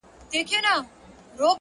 نیک اخلاق د انسان ښکلی تصویر دی!.